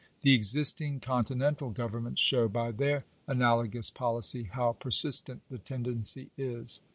The existing continental governments show, by their ana logous policy, how persistent the tendency is.